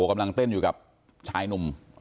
กำลังเต้นอยู่กับชายหนุ่ม